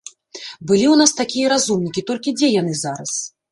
Былі ў нас такія разумнікі, толькі дзе яны зараз?